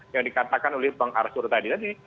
yang dikatakan oleh bang arsura tadi